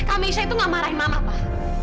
kak mesya itu gak marahin mama pak